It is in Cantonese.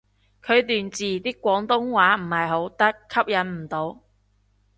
佢段字啲廣東話唔係好得，吸引唔到